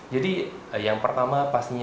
jadi yang pertama pastinya